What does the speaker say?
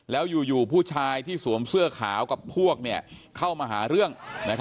แล้วอยู่ผู้ชายที่สวมเสื้อขาวกับพวกเข้ามาหาเรื่อง